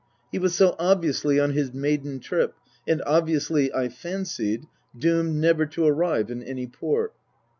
He was so obviously on his maiden trip, and obviously, I fancied, doomed never to arrive in any port.